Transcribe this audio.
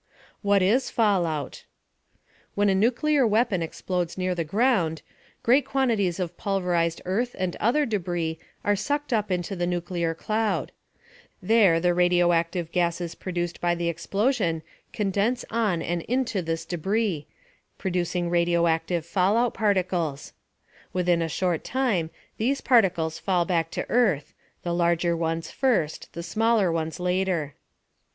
WHAT IS FALLOUT? When a nuclear weapon explodes near the ground, great quantities of pulverized earth and other debris are sucked up into the nuclear cloud. There the radioactive gases produced by the explosion condense on and into this debris, producing radioactive fallout particles. Within a short time, these particles fall back to earth the larger ones first, the smaller ones later.